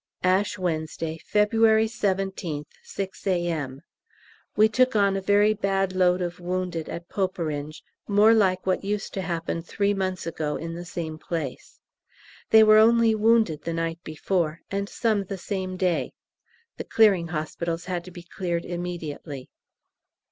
Ash Wednesday, February 17th, 6 A.M. We took on a very bad load of wounded at Poperinghe, more like what used to happen three months ago in the same place; they were only wounded the night before, and some the same day. The Clearing Hospital had to be cleared immediately.